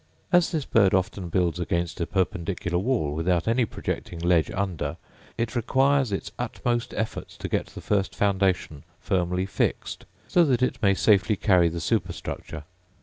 As this bird often builds against a perpendicular wall without any projecting ledge under, it requires its utmost efforts to get the first foundation firmly fixed, so that it may safely carry the superstructure.